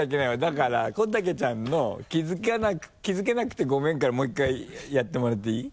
だから小竹ちゃんの「気づけなくてごめん」からもう一回やってもらっていい？